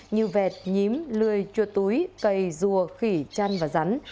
như vẹt nhím lươi chua túi cây rùa khỉ chăn và rắn